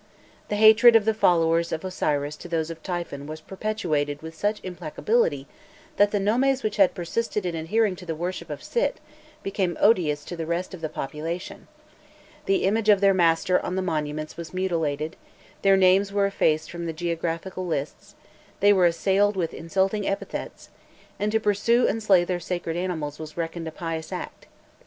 The hatred of the followers of Osiris to those of Typhon was perpetuated with such implacability, that the nomes which had persisted in adhering to the worship of Sit, became odious to the rest of the population: the image of their master on the monuments was mutilated, their names were effaced from the geographical lists, they were assailed with insulting epithets, and to pursue and slay their sacred animals was reckoned a pious act.